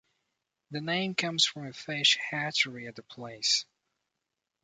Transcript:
The name comes from a fish hatchery at the place.